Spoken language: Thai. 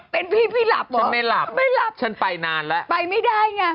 เป็นพี่ไม่หลับเหรอฉันไม่หลับไม่หลับฉันไปนานแล้วไปไม่ได้ไง